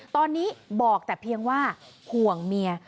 ตอนนี้บอกแต่เพียงว่าห่วงเมีย